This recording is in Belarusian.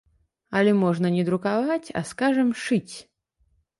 Але можна не друкаваць, а, скажам, шыць.